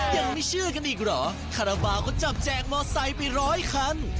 ยังมีชื่อกันอีกเหรอคาราบาลก็จับแจกมอไซค์ไปร้อยคัน